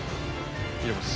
入れます